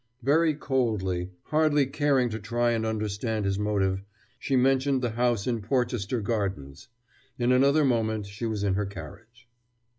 Very coldly, hardly caring to try and understand his motive, she mentioned the house in Porchester Gardens. In another moment she was in her carriage.